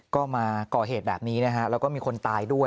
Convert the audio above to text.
ก็มาก่อเหตุแบบนี้นะฮะแล้วก็มีคนตายด้วย